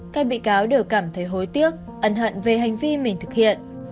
các bị cáo đều cảm thấy hối tiếc ẩn hận về hành vi mình thực hiện